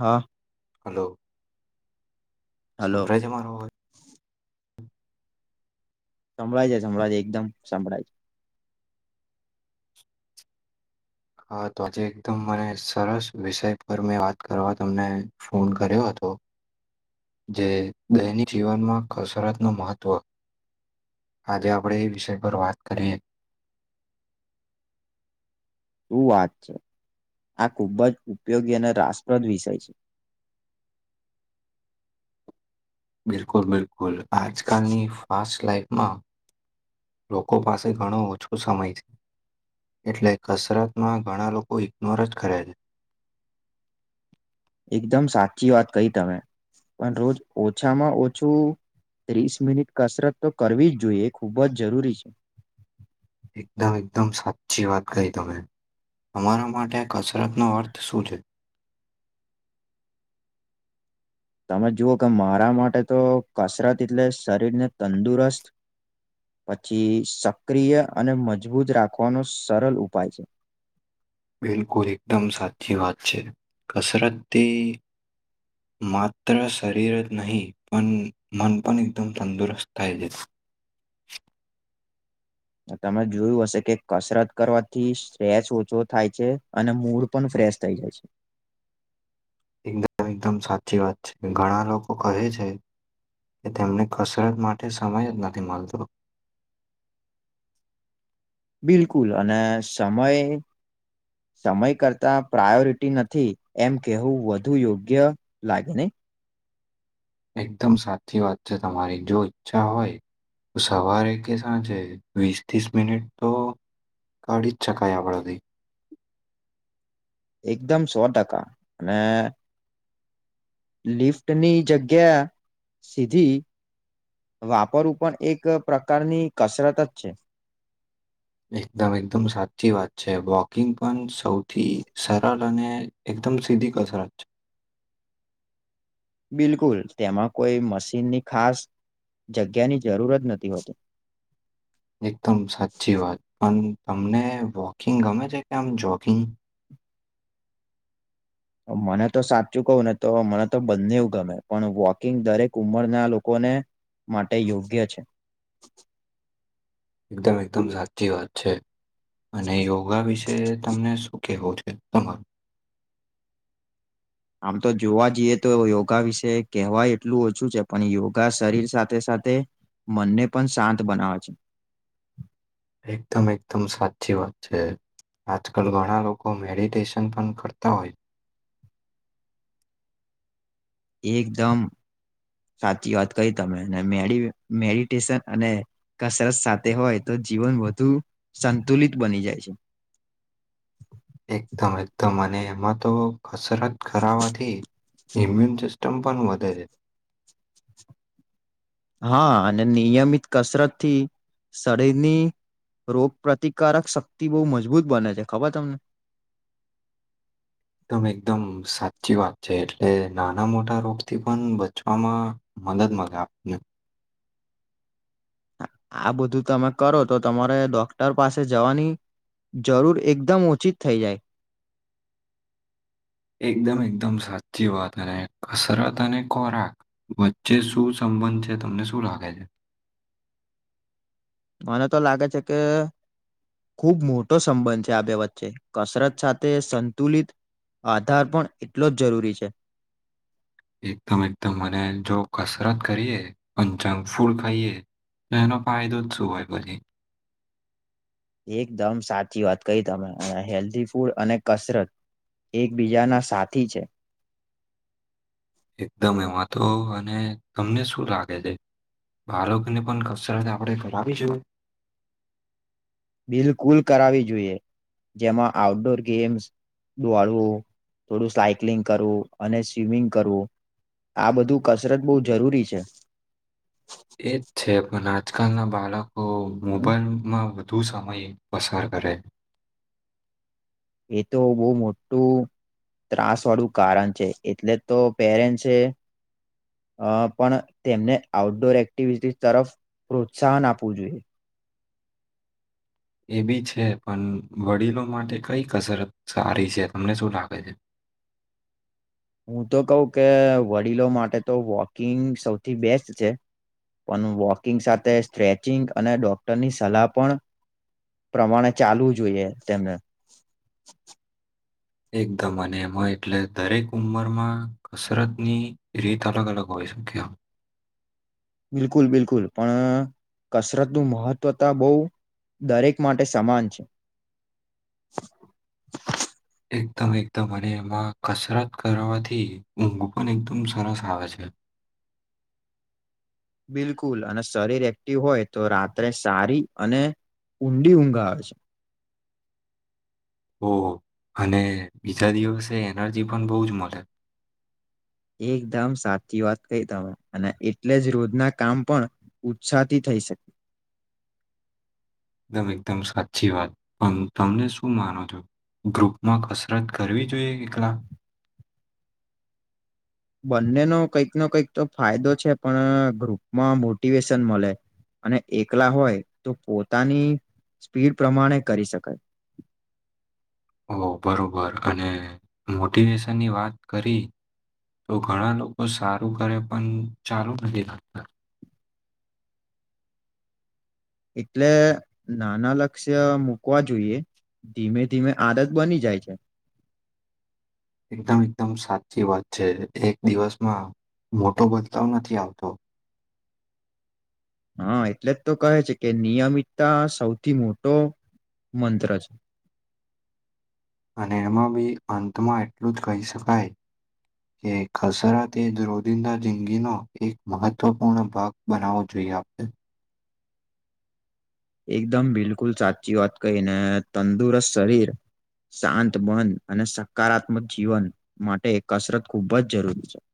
હા hello hello સંભળાય મારો અવાજ સંભળાય છે સંભળાયજે એકદમ સંભળાય છે હા તો આજે એકદમ મને સરસ વિષય પર મેં વાત કરવા તમને ફોન કર્યો હતો [inaudible] જે દૈનિક જીવનમાં કસરતનું મહત્વ આજે આપણે એ વિષય પર વાત કરીએ. શું વાત છે, આ ખૂબ જ ઉપયોગી અને રાસપ્રદ વિષય છે. [inaudible] બિલકુલ બિલકુલ આજકાલની ફાસ્ટ લાાઈફમાં લોકો પાસે ઘણો ઓછો સમય છે. એટલે કસરતમાં ઘણા લોકો ઇગ્નોર જ કરે છે. એકદમ સાચી વાત કહી તમે, પણ રોજ ઓછામાં ઓછું ત્રીસ મિનિટ કસરત તો કરવી જ જોઈએ એ ખૂબ જ જરૂરી છે. એકદમ એકદમ સાચી વાત કહી તમે. તમારા માટે કસરતનો અર્થ શું છે? [inaudible] તમે જુઓ કે મારા માટે તો કસરત એટલે શરીરને તંદુરસ્ત પછી સક્રિય અને મજબૂત રાખવાનો સરળ ઉપાય છે. [inaudible] બિલકુલ એકદમ સાચી વાત છે, કસરતથી માત્ર શરીર જ નહીં પણ મન પણ એકદમ તંદુરસ્ત થાય છે. [inaudible] તમે જોયું હશે કે કસરત કરવાથી સ્ટ્રેચ ઓછો થાય છે, અને મૂડ પણ પ્રસ થઈ જાય છે. એકદમ એકદમ સાચી વાત છે ઘણા લોકો કહે છે. એ તેમને કસરત માટે સમય જ નથી મળતો. બિલકુલ અને સમયે સમય કરતાં પ્રાયોરિટી નથી એમ કહેવું વધુ યોગ્ય લાગે ને. એકદમ સાચી વાત છે તમારી જો ઈચ્છા હોય. સવારે કે સાંજે વીસ ત્રીસ મિનિટ તો ગાડી ચકયા આપણાથી. એકદમ સો ટકા, અને લિફ્ટની જગ્યા સીધી વાપરવું પણ એક પ્રકારની કસરત જ છે. એકદમ એકદમ સાચી વાત છે વોકિંગ પણ સૌથી સરળ અને થમ સીધી કસરત છે. બિલકુલ તેમાં કોઈ મશીનની ખાસ જગ્યાની જરૂર જ નથી હોતી. એકદમ સાચી વાત, પણ તમને વોકિંગ ગમે છે કે આમ જોગિંગ મને તો સાચું કહવ ને તો મને તો બંને એવું ગમે પણ વોકિંગ દરેક ઉંમરના લોકો માટે યોગ્ય છે. એકદમ એકદમ સાચી વાત છે, અને યોગા વિશે તમને શું કેવું છે? તમા આમ તો જોવા જઈએ તો યોગા વિશે કહેવા એટલું ઓછું છે પણ યોગા શરીર સાથે સાથે, મનને પણ શાંત બનાવે છે. એકદમ એકદમ સાચી વાત છે. આજકાલ ઘણા લોકો મેડિટેશન પણ કરતા હોય. એકદમ. સાચી વાત ક તમે મે મેડિટેશન અને કસરત સાથે હોય તો જીવન વધુ સંતુલિત બની જાય છે. એકદમ એકદમ મ અને એમાં તો કસરત કરરાવાથી, ઈમ્યુન સિસ્ટમ પણ વધે છે. [inaudible] હા અને નિયમિત કસરત થી શરીરની રોગ પ્ર્રતિકારક શક્તિ બહુ મજબૂત બને છે, ખબર તમને એકદમ એકદમ સાચી વાત છે, એટલે નાના મોટા રોગથી પણ બચવામાં મદદ મગે આપને આ બધું તમે કરો તો તમારે ડોક્ટર પાસે જવાની જરૂર એકદમ ઓછી જ થઈ જાય એકદમ એકદમ સાચી વાત અને કસરત અને ખોરાક વચ્ચે શું સમ બંધ છે, તમને શું લાગે છે, મને તો લાગે છે, કે ખૂબ મોટો સંબંધ છે, આ બે વચ્ચે કસરત સાથે સંતુલિત આધાર પણ એટલો જ જરૂરી છે, એકદમ એકદમ મને જો કસરત કરીએ પંચાંગ ફૂલ ખાઈએ હનો પાાય દઉધ છું હોય [unintelligible] એકદમ સાચી વાત કઈ તમે હેલ્ધી ફૂડ અને કસરત એકબીજાના સાથી છે. એકદમ એમાં તો અને તમને શું લાગે છે? બાળકને પણ કસરત આપણે કરાવી જોઈ બિલકુલ કરાવવી જોઈએ, જેમાં આઉટડોર ગેમ્સ દોળવું થોડું સાયક્લિંગ કરવું અને સ્વિમિંગ કરવું, આ બધું કસરત બહુ જરૂરી છે. એજ છે, પણ આજકાલના બાળકો મોબાઈલમાં ધુ સમય પસાર કરે એ તો બહુ મોટું ત્રાસ વાળું કારણ છે, એટલે તો પપેરેન્સ એ પણ તેમને આઉટડોર એક્ટિવિટીઝ તરફ પ્રોત્સાહન આપવું જોઈએ. એ બી છે, પણ વડીલો માટે કઈ કસરત સારી છે, તમને શું લાગે છે? [inaudible] હું, તો કઉ કે વડીલો માટે તો વોકિંગ સૌથી બેસ્ટ છે, પણ વોકિંગ સાથે સ્ટ્રેચિંગ અને ડોક્ટરની સલાહ પણ પ્રમાણે ચાલવું જોઈએ, તેમને એકદમ અને એમાં એટલે દરેક ઉંમરમાં કસરત ની રીત અલગ અલગ હોય. સંખ્યા બિલકુલ બિલકુલ પણ કસરતનું મહત્ત્વતા બઉુ દરેક માટે સમાન છે. એકદમ એકદમ અને એમાં કસરત કરવાથી ઊંઘ પણ એકદમ સરસ આવે છે. [inaudible] બિલકુલ અને શરીર એક્ટિવ હોય તો રાત્રે સારી અને ઊંડી ઊંઘા આવે છે. ઓ અને બીજા દિવસે એનર્જી પણ બહુ જ મળે, એકદમ સાચી વાત ક તમે અને એટલે જ રોજના કામ પણ ઉત્સાહથી થઈ શકે. એકદમ એકદમ સાચી વાત, પણ તમને શું માનો છો? ગ્રુપમાં કસરત કરવી જોઈએ એકલા, [unintelligible] બંને ન કંઈક ન કંઈક તો ફાયદો છે, પણ ગ્રુપમાં મોટિવેશન મળે. અને એકલા હોય તો પોતાની સ્પીડ પ્રમાણે કરી શકાય, [unintelligible] ઓ બરોબર અને મોટિવેશનની વાત કરી, તો ઘણા લોકો સારું કરે પણ ચાલુ નથી રાખતા, એટલે નાના લક્ષ્ય મુૂકવા જોઈએ, ધીમે ધીમે આદત બની જાય છે, એકદમ એકદમ સાચી વાત છે એક દિવસમાં મોટો બદલાવ નથી આવતો. હા એટલે જ તો કહે છે કે નિયમિતતા સૌથી મોટો મંત્ર છે. અને એમાં બી અંતમાં એટલું જ કહી શકાય. કે ખસરા તે જ રોદિંદા જિંદગીનો એક મહત્વપૂર્ણ ભાગ બનાવવો જોઈએ. આપને એકદમ બિલકુલ સાચી વાત કહી ને તંદુરસ્ત શરીર શાંત મન અને સકારાત્મક જીવન માટે કસરત ખૂબ જ જરૂરી છે. [inaudible]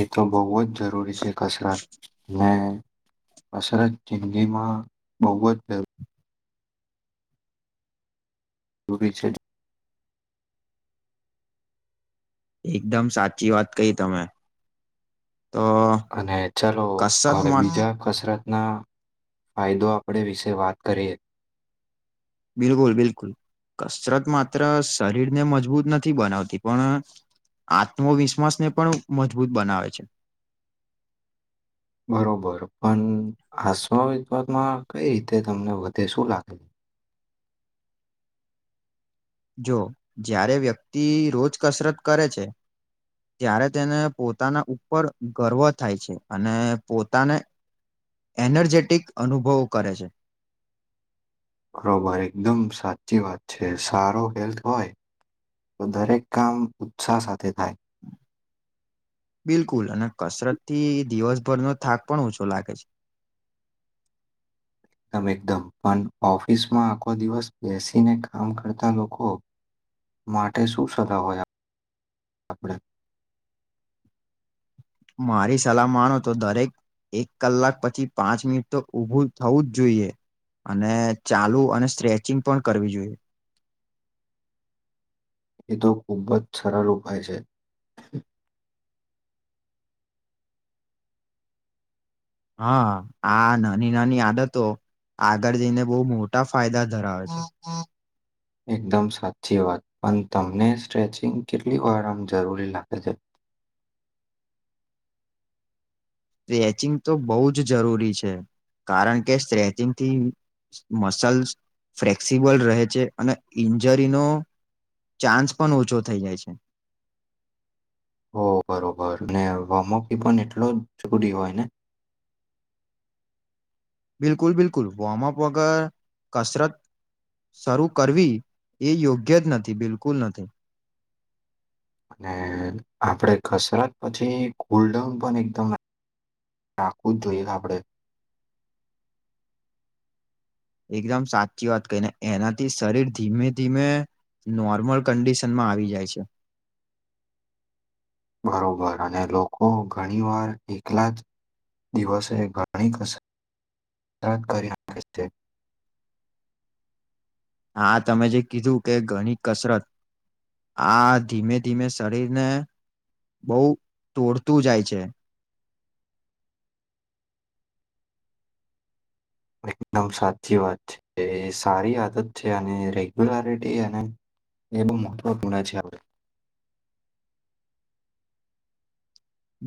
એ તો બહુ જ જરૂરી છે કસરત ને કસરત જિંદગીમાં બહુ જ [unintelligible] છે. એકદમ સાચી વાત કહી તમે. તો અને ચાલો કસરત હવે માં બીજા કસરત ના ફાયદો આપણે વિશે વાત કરીએ. બિલકુલ બિલકુલ. કસરત માત્ર શરીરને મજબૂત નથી બનાવતી પણ આત્મવિશ્વાસને પણ મજબૂત બનાવે છે. બરોબર પણ આશ વિવાદમાં કઈ રીતે તમને વધે શું લાગે છે. જો જ્યારે વ્યક્તિ રોજ કસરત કરે છે. ત્યારે તેને પોતાના ઉપર ગર્વ થાય છે અને પોતાને એનર્જેટિક અનુભવો કરે છે. બરોબર એકદમ સાચી વાત છે સારો હેલ્થ હોય તો દરેક કામ ઉત્સાહ સાથે થાય. [inaudible] બિલકુલ અને કસરત થી દિવસભરનો થાક પણ ઓછો લાગે છે. [inaudible] એકદમ એકદમ પણ ઓફિસમાં આખો દિવસ બેસીને કામ કરતા લોકો માટે શું સલા હોય આપણે? મારી સલાહ માનો તો દરેક એક કલાક પછી પાંચ મિનિટ તો ઊભું થવું જ જોઈએ. અને ચાલુ અને સ્ટ્રેચિંગ પણ કરવી જોઈએ. એ તો ખૂબ જ સરળ ઉપાય છે. હા આ નાની નાની આદતો આગળ જઈને બહુ મોટા ફાયદા ધરાવે છે. એકદમ સાચી વાત પણ તમને સ્ટ્રેચિંગ કેટલી વાર આમ જરૂરી લાગે છે? [unintelligible] સ્ટ્રેચિંગ તો બહુ જ જરૂરી છે કારણ કે સ્ટ્રેચિંગ થી મસલ્સ ફલેક્સિબલ રહે છે અને ઇન્જરીનો ચાન્સ પણ ઓછો થઈ જાય છે. ઓ બરોબર ને વોમઅપ પણ એટલો જુદી હોય ને. બિકુલ બિકુલ વમઅપ વગર કસરત શરૂ કરવી એ યોગ્ય જ નથી બિલકુલ નથી. અને આપડે કસરત પછી કુલડાઉન પણ એકદમ આખું જ જોઈએ સા આપડે. [inaudible] એકદમ સાચી વાત કહી ને એનાથી શરીર ધીમે ધીમે નોર્મલ કન્ડિશનમાં આવી જાય છે. બરોબર અને લોકો ઘણી વાર એકલા જ દિવસે ઘણી ક કરી છે હા તમે જે કીધું કે ઘણી કસરત આ ધીમે ધીમે શરીરને બહુ તોડતું જાય છે એકદમ સાચી વાત છે એ સારી આદત છે અને રેગ્યુલરિટી અને એ મતવા ગુણ છે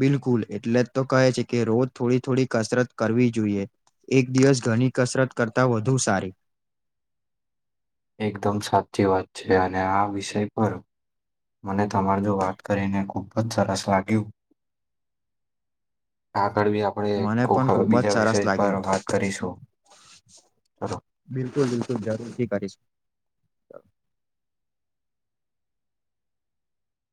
બિલકુલ એટલે જ તો કહે છે કે રોજ થોડી થોડી કસરત કરવી જોઈએ એક દિવસ ઘણી કસરત કરતાં વધુ સારી એકદમ સાચી વાત છે અને આ વિષય પર મને તમાર જો વાત કરીને ખૂબ જ સરસ લાગ્યું આગળવી આપણે મને પણ ખુબ જ બીજા સરસ વિષય પરર લાગ્યું વાત કરીશું ચલો. બિલકુલ બિલકુલ જરૂરથી કરીશ